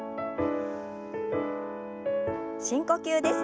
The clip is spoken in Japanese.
深呼吸です。